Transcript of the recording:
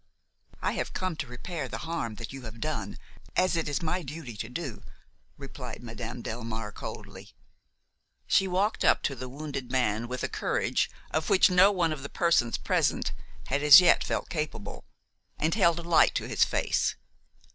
"I have come to repair the harm that you have done, as it is my duty to do," replied Madame Delmare coldly. She walked up to the wounded man with a courage of which no one of the persons present had as yet felt capable, and held a light to his face.